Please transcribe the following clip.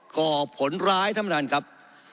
ก่อผลร้ายท่านประธานครับ